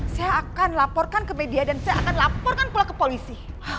saya akan laporkan ke media dan saya akan laporkan pula ke polisi